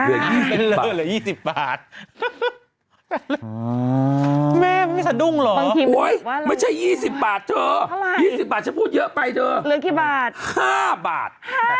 เออมากหรือ๒๐บาท